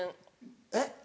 えっ？